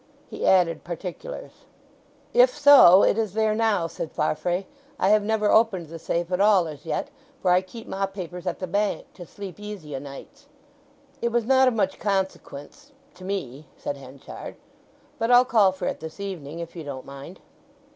He added particulars. "If so, it is there now," said Farfrae. "I have never opened the safe at all as yet; for I keep ma papers at the bank, to sleep easy o' nights." "It was not of much consequence—to me," said Henchard. "But I'll call for it this evening, if you don't mind?"